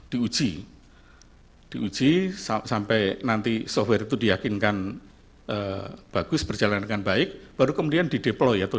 di uji sampai nanti software itu diyakinkan bagus berjalan dengan baik baru kemudian dideploy atau